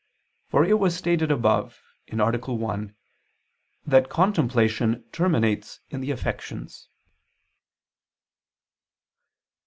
For it was stated above (A. 1) that contemplation terminates in the affections.